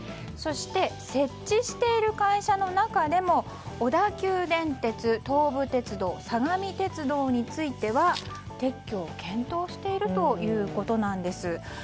そして設置している会社の中でも小田急電鉄、東武鉄道相模鉄道については撤去を検討しているということなんです。